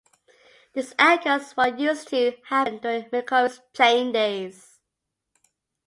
This echoes what used to happen during McCovey's playing days.